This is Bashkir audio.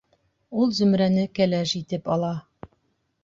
Ул Зөмрәне кәләш итеп ала.